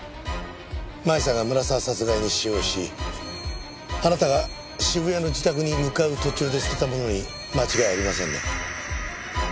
麻衣さんが村沢殺害に使用しあなたが渋谷の自宅に向かう途中で捨てたものに間違いありませんね？